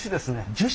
樹脂。